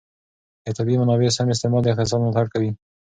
د طبیعي منابعو سم استعمال د اقتصاد ملاتړ کوي.